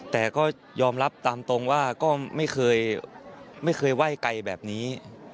แต่ก็ยอมรับตามตรงว่าก็ไม่เคยไหว้ไกลแบบนี้